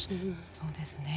そうですね。